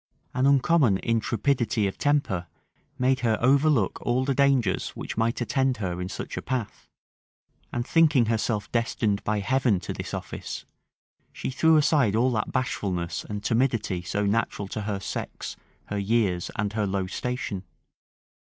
An uncommon intrepidity of temper made her overlook all the dangers which might attend her in such a path; and thinking herself destined by Heaven to this office, she threw aside all that bashfulness and timidity so natural to her sex, her years, and her low station.